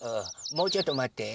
もうちょっとまって。